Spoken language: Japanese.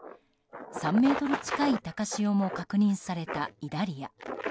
３ｍ近い高潮も確認されたイダリア。